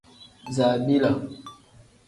Zabiila.